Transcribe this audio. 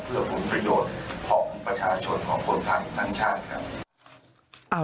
เพื่อผลประโยชน์ของประชาชนของคนไทยทั้งชาติครับ